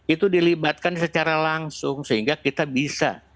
itu dilibatkan secara langsung sehingga kita bisa